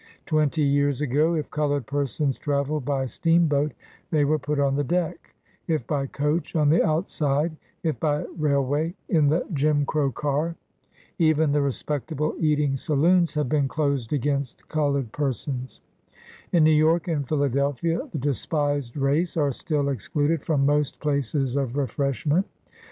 Twenty years ago, if colored persons travelled by steamboat, they were put on the deck ; if by coach, on the outside ; if by railway, in the Jim Crow car. Even the respectable eating saloons have been closed 56 BIOGRAPHY OF against colored persons. In New York and Philadel phia, the despised race are still excluded from, most places of refreshment.